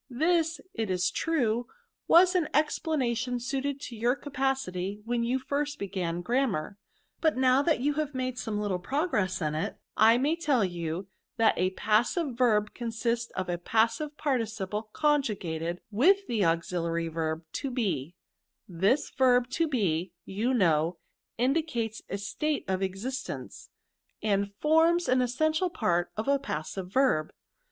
This, it is true, was an explanation suited to your capacity when first you began grammar ; but now that you have made some little pro gress in it, I may tell you, that a passive verb consists of a passive participle conjugated with the auxiliary verb to be ; this verb to be, you know, indicates a state of existence, and forms an essential part of a passive verb.